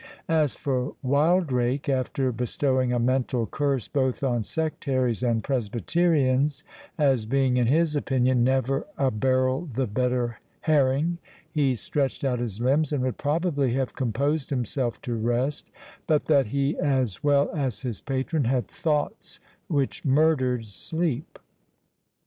As for Wildrake, after bestowing a mental curse both on Sectaries and Presbyterians, as being, in his opinion, never a barrel the better herring, he stretched out his limbs, and would probably have composed himself to rest, but that he as well as his patron had thoughts which murdered sleep.